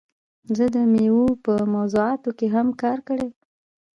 زه د میوو په موضوعاتو کې هم کار کړی.